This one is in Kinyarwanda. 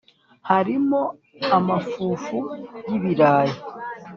harimo amafufu yibirayi